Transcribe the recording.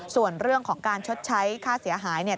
ส่วนเรื่องของการชดใช้ค่าเสียหายเนี่ย